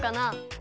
え！